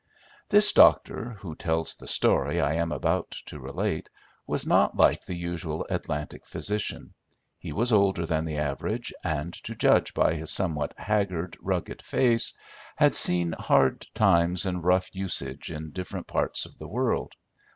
This doctor, who tells the story I am about to relate, was not like the usual Atlantic physician. He was older than the average, and, to judge by his somewhat haggard, rugged face, had seen hard times and rough usage in different parts of the world.